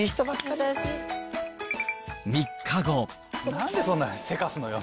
何でそんなせかすのよ？